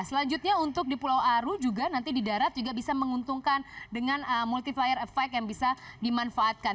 selanjutnya untuk di pulau aru juga nanti di darat juga bisa menguntungkan dengan multiplier effect yang bisa dimanfaatkan